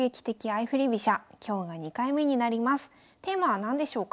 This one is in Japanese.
テーマは何でしょうか？